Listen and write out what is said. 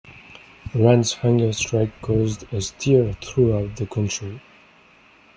Ran's hunger strike caused a stir throughout the country.